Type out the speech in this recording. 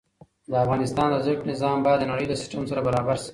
د افغانستان د زده کړې نظام باید د نړۍ له سيستم سره برابر شي.